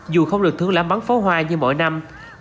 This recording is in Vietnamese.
dù không được thương lãm bắn phó hoa như mỗi năm